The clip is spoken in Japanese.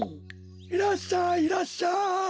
いらっしゃいいらっしゃい！